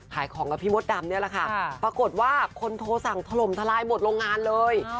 ขายของกับพี่มดดำนี่แหละค่ะปรากฏว่าคนโทรสั่งถล่มทลายหมดโรงงานเลย